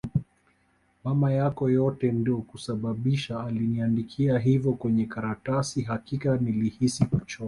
Mama yako yote ndo kasababisha aliniandikia hivo kwenye karatasi hakika nilihisi kuchoka